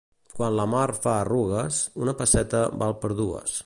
Quan la mar fa arrugues, una pesseta val per dues.